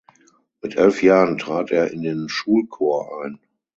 Mit elf Jahren trat er in den Schulchor ein.